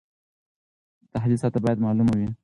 د تحلیل سطحه باید معلومه وي.